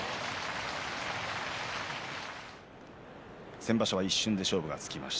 先場所は一瞬で勝負がつきました。